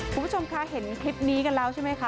คุณผู้ชมคะเห็นคลิปนี้กันแล้วใช่ไหมคะ